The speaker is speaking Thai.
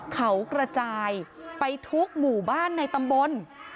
เขากระจายไปทุกหมู่บ้านในตำบล